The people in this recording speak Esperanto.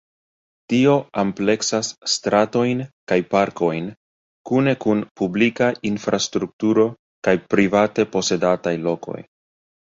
Tio ampleksas stratojn kaj parkojn kune kun publika infrastrukturo kaj private-posedataj lokoj.